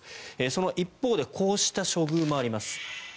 その一方でこうした処遇もあります。